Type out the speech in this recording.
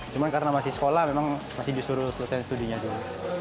cuma karena masih sekolah memang masih disuruh selesai studinya juga